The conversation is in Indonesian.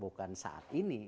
bukan saat ini